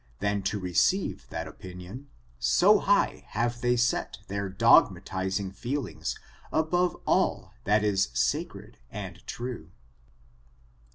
than to receive that opinion, so high have they set their dogmatizing feelings above all that is sacred and true.